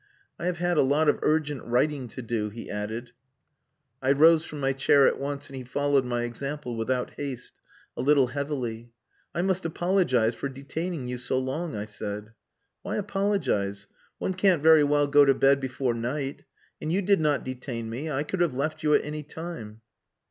"I have had a lot of urgent writing to do," he added. I rose from my chair at once, and he followed my example, without haste, a little heavily. "I must apologize for detaining you so long," I said. "Why apologize? One can't very well go to bed before night. And you did not detain me. I could have left you at any time."